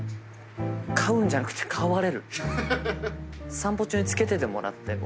散歩中につけててもらっても。